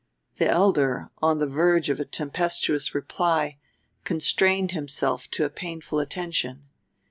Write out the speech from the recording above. The elder, on the verge of a tempestuous reply, constrained himself to a painful attention.